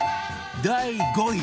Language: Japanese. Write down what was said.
第５位